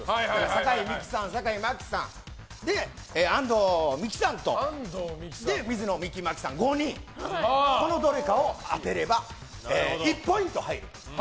坂井美紀さん、酒井真紀さんで安藤美姫さんと水野美紀、水野真紀のどれかを当てれば１ポイント入る。